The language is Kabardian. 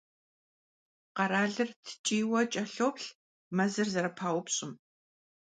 Къэралыр ткӀийуэ кӀэлъоплъ мэзыр зэрыпаупщӀым.